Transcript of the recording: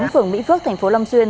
phường mỹ phước tp lâm xuyên